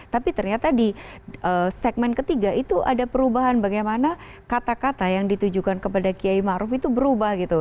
tapi ternyata di segmen ketiga itu ada perubahan bagaimana kata kata yang ditujukan kepada kiai ⁇ maruf ⁇ itu berubah gitu